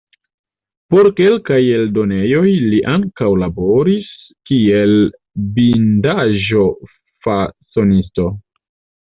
Por kelkaj eldonejoj li ankaŭ laboris kiel bindaĵo-fasonisto.